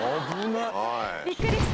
びっくりした？